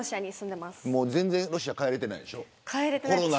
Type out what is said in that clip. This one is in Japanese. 全然ロシアに帰れていないでしょう。